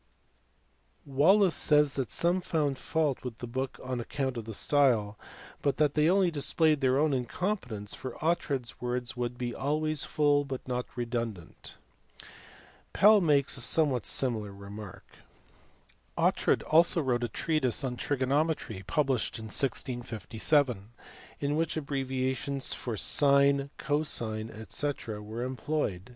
Wallis says that some found fault with the book on account of the style, but that they only displayed their own incompetence, for Oughtred s " words be always full but not redundant. 7 Pell makes a somew T hat similar remark. Oughtred also wrote a treatise on trigonometry published in 1657, in which abbreviations for sine, cosine, &c. were employed.